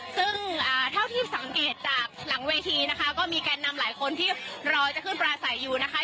ซึ่งเท่าที่สังเกตจากหลังเวทีนะคะก็มีแกนนำหลายคนที่รอจะขึ้นปลาใสอยู่นะคะ